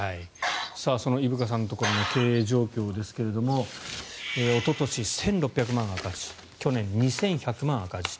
その伊深さんのところの経営状況ですがおととし、１６００万円赤字去年は２１００万円の赤字。